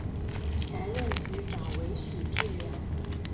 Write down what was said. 前任局长为许志梁。